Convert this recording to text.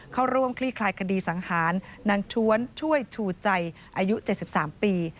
เข้าร่วมคลี่คลายคดีสังหารนางชวนช่วยชูใจอายุ๗๓ปี